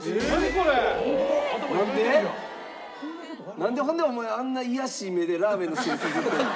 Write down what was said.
なんでほんでお前あんないやしい目でラーメンの汁すすってんの？